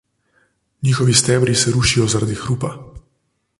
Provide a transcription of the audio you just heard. Njihovi stebri se rušijo zaradi hrupa.